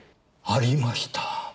ありました！